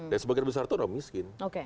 dan sebagai besar itu adalah miskin